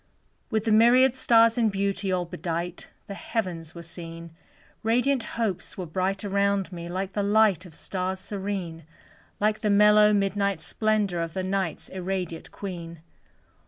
With the myriad stars in beauty All bedight, the heavens were seen, Radiant hopes were bright around me, Like the light of stars serene; Like the mellow midnight splendor Of the Night's irradiate queen.